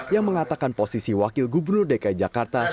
yang mengatakan posisi wakil gubernur dki jakarta